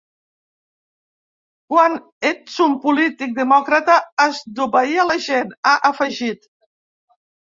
Quan ets un polític demòcrata has d’obeir a la gent, ha afegit.